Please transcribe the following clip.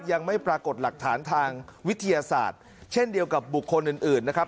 ยังไม่ปรากฏหลักฐานทางวิทยาศาสตร์เช่นเดียวกับบุคคลอื่นนะครับ